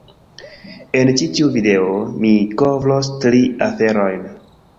En ĉi tiu video, mi kovros tri aferojn